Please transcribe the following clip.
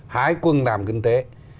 hải quân làm kinh tế